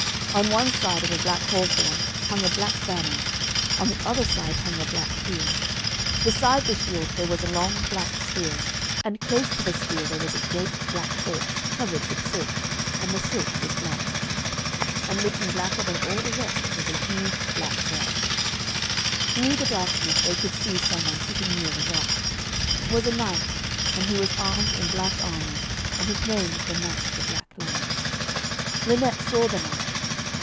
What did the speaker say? On one side of a black hawthorn hung a black banner, on the other side hung a black shield. Beside the shield there was a long black spear, and close to the spear there was a great black horse, covered with silk, and the silk was black. And looking blacker than all the rest was a huge black rock. Through the darkness they could see some one sitting near the rock. It was a knight, and he was armed in black armour, and his name was 'the Knight of the Black Land.' Lynette saw the knight.